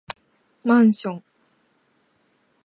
マンション